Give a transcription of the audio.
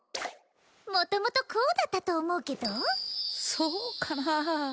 もともとこうだったと思うけどそうかなあ？